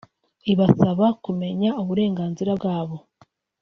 ibasaba ku menya uburenganzira bwaho